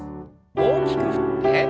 大きく振って。